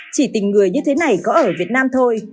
chỉ tình người như thế này có ở việt nam thôi